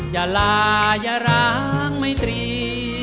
อย่าลาอย่าร้างไม่ตรี